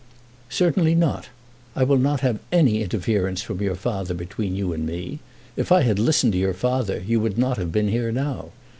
"Certainly not. I will not have any interference from your father between you and me. If I had listened to your father, you would not have been here now.